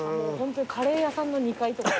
カレー屋さんの２階とか。